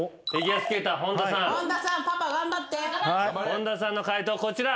本田さんの解答こちら。